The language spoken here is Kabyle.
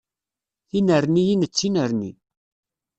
Tinerniyin d tinerni.